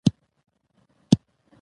لیکدود د تورو کیندل یا کښل دي.